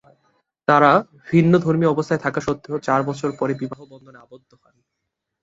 তারা ভিন্ন ধর্মীয় অবস্থা থাকা সত্বেও চার বছর পরে বিবাহ বন্ধনে আবদ্ধ হন।